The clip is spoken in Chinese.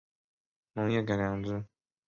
农业改良场